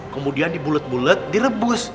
kemudian dibulet bulet direbus